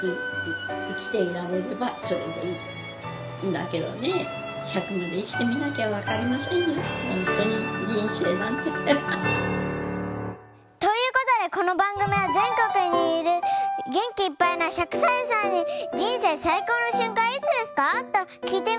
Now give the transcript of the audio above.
だけどね。という事でこの番組は全国にいる元気いっぱいな１００歳さんに「人生最高の瞬間はいつですか？」と聞いてみる番組です。